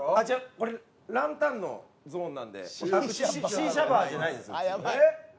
これランタンのゾーンなんでシーシャバーじゃないですえ？